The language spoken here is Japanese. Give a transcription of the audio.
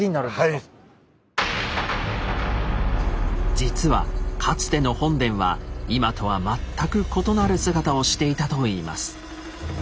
実はかつての本殿は今とは全く異なる姿をしていたといいます。